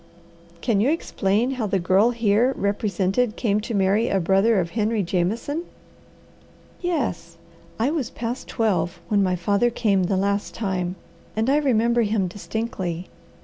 "Can you explain how the girl here represented came to marry a brother of Henry Jameson?" "Yes. I was past twelve when my father came the last time, and I remember him distinctly.